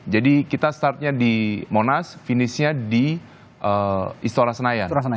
jadi kita startnya di monash finishnya di istora senayan